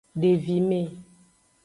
Devime.